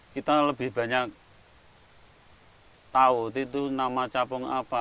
kita lebih banyak tahu itu nama capung apa